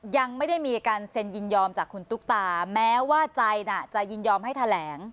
ยังไม่ได้มีการเซ็นยินยอมจากคุณตุ๊กตาแม้ว่าใจน่ะจะยินยอมให้แถลง